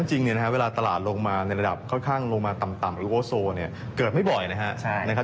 จริงเนี่ยนะครับเวลาตลาดลงมาในระดับค่อนข้างลงมาต่ำหรือโอโซเนี่ยเกิดไม่บ่อยนะครับ